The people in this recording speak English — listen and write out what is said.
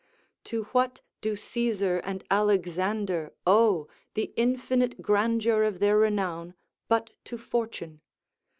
To what do Caesar and Alexander owe the infinite grandeur of their renown but to fortune?